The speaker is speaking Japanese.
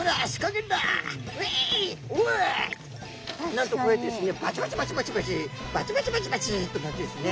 なんとこうやってですねバチバチバチバチバチバチバチバチバチっとなってですね